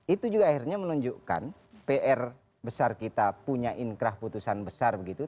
itu juga akhirnya menunjukkan pr besar kita punya inkrah putusan besar begitu